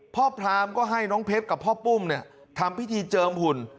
พรามก็ให้น้องเพชรกับพ่อปุ้มทำพิธีเจิมหุ่น